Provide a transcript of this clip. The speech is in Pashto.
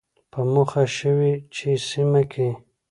په موخه شوې چې سیمه کې